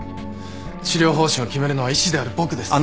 治療方針を決めるのは医師である僕です。